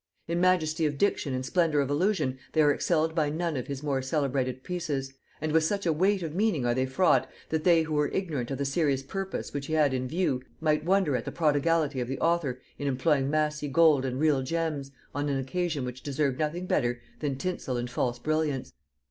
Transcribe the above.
In majesty of diction and splendor of allusion they are excelled by none of his more celebrated pieces; and with such a weight of meaning are they fraught, that they who were ignorant of the serious purpose which he had in view might wonder at the prodigality of the author in employing massy gold and real gems on an occasion which deserved nothing better than tinsel and false brilliants.